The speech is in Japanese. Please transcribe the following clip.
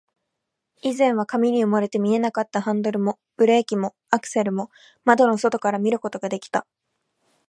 以前は紙に埋もれて見えなかったハンドルも、ブレーキも、アクセルも、窓の外から見ることができた